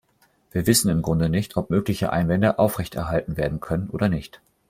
Wir wissen im Grunde nicht, ob mögliche Einwände aufrechterhalten werden können oder nicht.